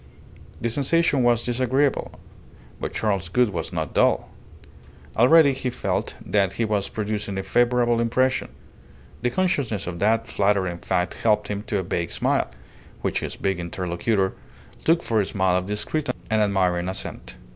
The sensation was disagreeable; but Charles Gould was not dull. Already he felt that he was producing a favourable impression; the consciousness of that flattering fact helped him to a vague smile, which his big interlocutor took for a smile of discreet and admiring assent.